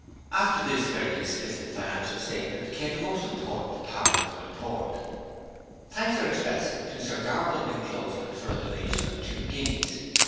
After this very explicit financial statement came the most important part of the report: 'Thanks are expressed to Sir Graball D'Encloseland for a donation of 2 guineas.